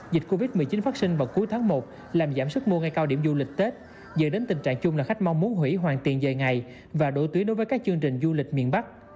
dịch covid một mươi chín phát sinh vào cuối tháng một làm giảm sức mua ngay cao điểm du lịch tết dựa đến tình trạng chung là khách mong muốn hủy hoàn tiền dài ngày và đổi tuyến đối với các chương trình du lịch miền bắc